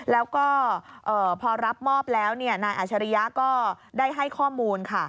แล้วก็พอรับมอบแล้วนายอัชริยะก็ได้ให้ข้อมูลค่ะ